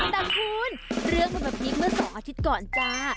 ต่างคุณเรื่องมันมาพีคเมื่อ๒อาทิตย์ก่อนจ้า